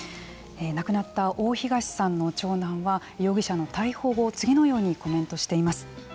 亡くなった大東さんの長男は容疑者の逮捕後次のようにコメントしています。